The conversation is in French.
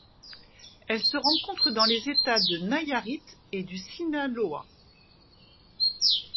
Elle se rencontre dans les États de Nayarit et du Sinaloa.